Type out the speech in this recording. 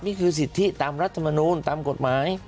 นี่คือสิทธิตามรัฐมนูลตามกฎหมาย